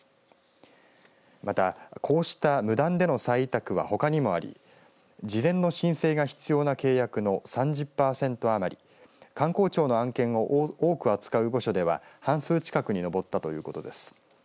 また、こうした無断での再委託は、ほかにもあり事前の申請が必要な契約の３０パーセント余り官公庁の案件を多く扱う部署では半数近くに上ったということです。